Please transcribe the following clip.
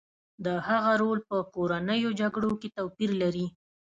د هغه رول په کورنیو جګړو کې توپیر لري